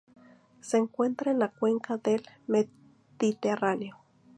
Se encuentra en la Cuenca del Mediterráneo.